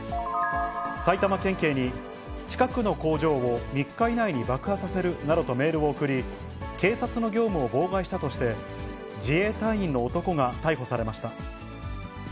埼玉県警に、近くの工場を３日以内に爆破させるなどとメールを送り、警察の業務を妨害したとして、自衛隊員の男が逮捕されました。